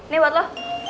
nih buat lo